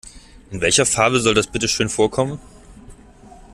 In welcher Fabel soll das bitte schön vorkommen?